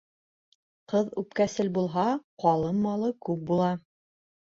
Ҡыҙ үпкәсел булһа, ҡалым малы күп була.